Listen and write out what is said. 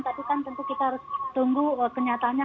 tapi kan tentu kita harus tunggu kenyataannya